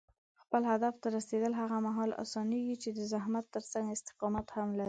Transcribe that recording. خپل هدف ته رسېدل هغه مهال اسانېږي چې د زحمت ترڅنګ استقامت هم لرې.